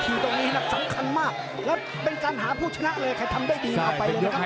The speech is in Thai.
ตรงนี้สำคัญมากแล้วเป็นการหาผู้ชนะเลยใครทำได้ดีเอาไปเลยนะครับ